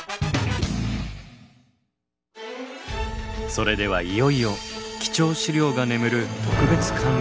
それではいよいよ貴重資料が眠る